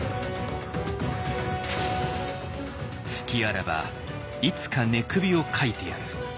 「隙あらばいつか寝首をかいてやる」。